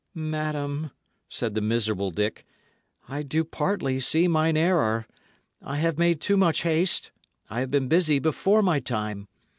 "Madam," said the miserable Dick, "I do partly see mine error. I have made too much haste; I have been busy before my time.